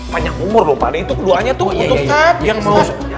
panjang umur lho pak d itu doanya untuk ustadz yang mau